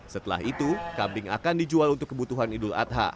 setelah itu kambing akan dijual untuk kebutuhan idul adha